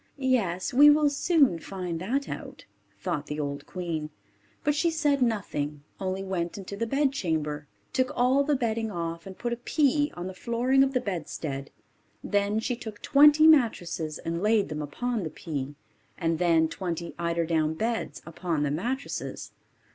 "Yes, we will soon find that out," thought the old queen. But she said nothing, only went into the bedchamber, took all the bedding off, and put a pea on the flooring of the bedstead; then she took twenty mattresses and laid them upon the pea, and then twenty eider down beds upon the mattresses.